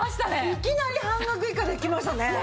いきなり半額以下できましたね。